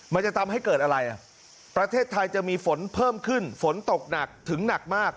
มันจะทำให้เกิดอะไรอ่ะประเทศไทยจะมีฝนเพิ่มขึ้นฝนตกหนักถึงหนักมาก